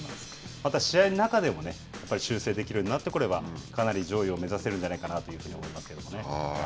また、試合の中でも修正できるようになってくればかなり上位を目指せるんじゃないかというふうに思いますけどね。